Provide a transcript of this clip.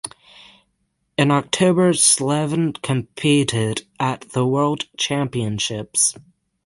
In October Slevin competed at the World Championships.